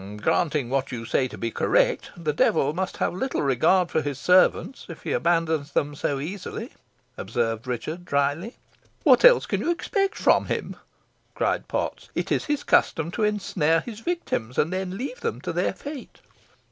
"Granting what you say to be correct, the devil must have little regard for his servants if he abandons them so easily," observed Richard, drily. "What else can you expect from him?" cried Potts. "It is his custom to ensnare his victims, and then leave them to their fate."